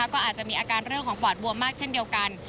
ก็อาจจะมีอาการเรื่องของปอดบวมมากเช่นเดียวกัน